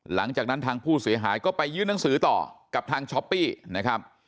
หลังจากนั้นทางผู้เสียหายก็ไปยื่นหนังสือต่อกับทางช้อปปี้นะครับ